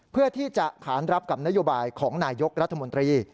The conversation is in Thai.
เพื่อที่จะขานรับกับนโยบายของนายยกรัฐมนตรี